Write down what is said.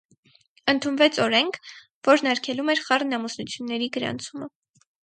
Ընդունվեց օրենք, որն արգելում էր խառն ամուսնությունների գրանցումը։